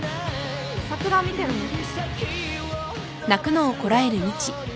桜見てるんです。